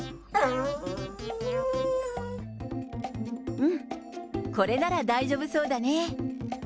うん、これなら大丈夫そうだね。